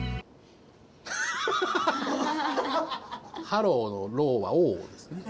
ハローの「ロー」は「ｏ」ですね。